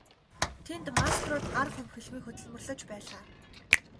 Тэнд мастерууд гар хумхилгүй хөдөлмөрлөж байлаа.